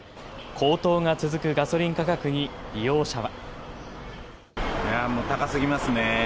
高騰が続くガソリン価格に利用者は。